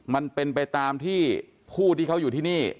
มันเป็นไปตามที่ผู้ที่เขาอยู่ที่นี่